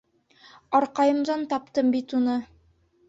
Арҡайымдан тапты бит уны!